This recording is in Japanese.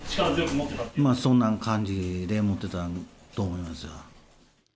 そんな感じで持ってたと思いますが。